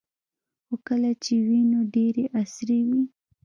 خو کله چې وې نو ډیرې عصري وې